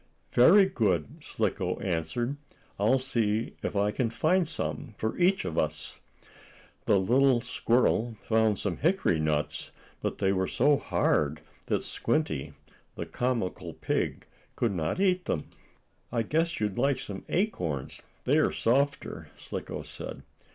"Very good," Slicko answered. "I'll see if I can find some for each of us." The little squirrel found some hickory nuts, but they were so hard that Squinty, the comical pig, could not eat them. "I guess you'd like some acorns, they are softer," Slicko said.